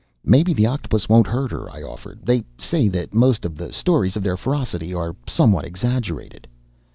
"Maybe the octopus won't hurt her," I offered. "They say that most of the stories of their ferocity are somewhat exaggerated."